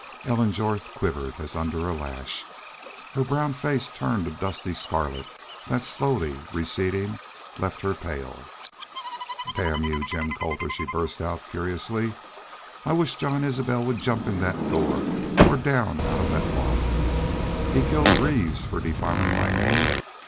Ellen Jorth quivered as under a lash, and her brown face turned a dusty scarlet, that slowly receding left her pale. "Damn y'u, Jim Colter!" she burst out, furiously. "I wish Jean Isbel would jump in that door or down out of that loft! ... He killed Greaves for defiling my name!